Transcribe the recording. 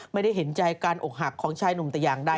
ไม่ได้เห็นใจการอกหักของชายหนุ่มแต่อย่างใด